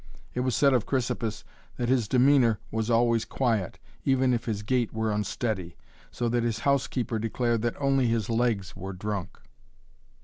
It was said of Chrysippus that his demeanor was always quiet, even if his gait were unsteady, so that his housekeeper declared that only his legs were drunk.